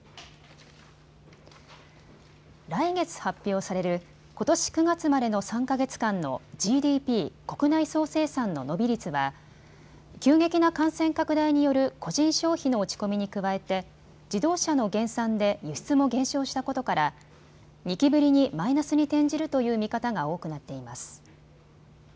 来月発表されることし９月までの３か月間のＧＤＰ・国内総生産の伸び率は急激な感染拡大による個人消費の落ち込みに加えて自動車の減産で輸出も減少したことから２期ぶりにマイナスに転じるという見方が多くなっています。